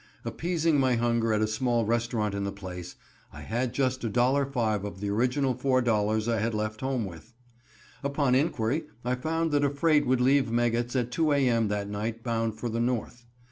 Appeasing my hunger at a small restaurant in the place, I had just $1.05 of the original $4.00 I had left home with. Upon inquiry, I found that a freight would leave Meggetts at 2 a. m. that night bound for the North.